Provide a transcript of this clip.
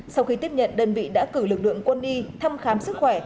sau khi tiếp nhận đơn vị đã cử lực lượng quân y thăm khám sức khỏe